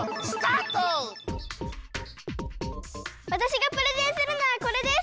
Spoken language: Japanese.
わたしがプレゼンするのはこれです！